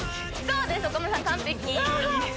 岡村さん完璧。